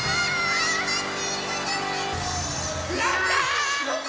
やった！